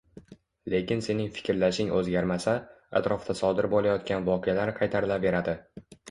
Lekin sening fikrlashing o‘zgarmasa, atrofda sodir bo‘layotgan voqealar qaytarilaveradi.